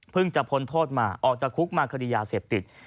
จะพ้นโทษมาออกจากคุกมาคดียาเสพติด